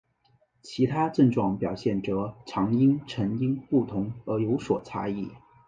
其他症状表现则常因成因不同而有所差异。